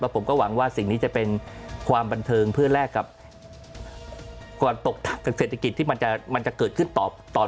ผมก็หวังว่าสิ่งนี้จะเป็นความบันเทิงเพื่อแลกกับความตกทางเศรษฐกิจที่มันจะเกิดขึ้นตอน